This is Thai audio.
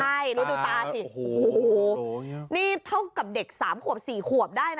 ใช่ดูติดตาสินี่เท่ากับเด็กสามโขวบสี่โขวบได้นะ